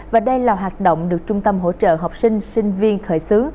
và đây là hoạt động được trung tâm hỗ trợ học sinh sinh viên khởi xướng